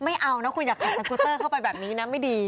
ไม่เอานะคุณอยากขับสกูเตอร์เข้าไปแบบนี้นะไม่ดี